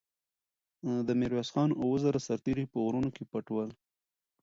د میرویس خان اوه زره سرتېري په غرونو کې پټ ول.